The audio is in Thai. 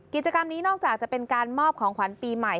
กิจกรรมนี้นอกจากจะเป็นการมอบของขวัญปีใหม่